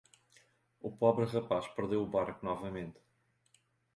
O pobre rapaz perdeu o barco novamente.